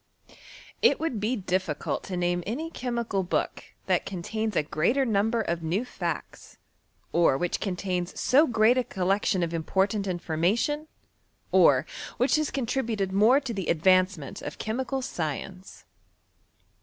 It would be difficult to name any chemical book that contains a greater number of mem fiEicts, or which contains so great a collection of important information, or which has contributed more to the advancenient of chemical science.